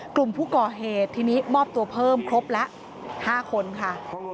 กลุ่มผู้ก่อเหตุทีนี้มอบตัวเพิ่มครบละ๕คนค่ะ